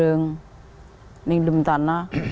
hanya di rumah